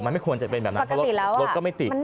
มันไม่ควรจะเป็นแบบนั้นเพราะรถก็ไม่ติด